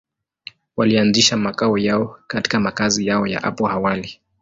Walianzisha makao yao katika makazi yao ya hapo awali.